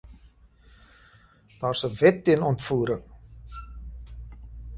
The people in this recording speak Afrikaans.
Daar is 'n wet teen ontvoering.